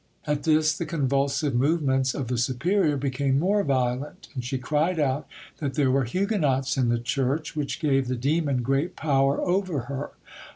At this the convulsive movements of the superior became more violent, and she cried out that there were Huguenots in the church, which gave the demon great power over her.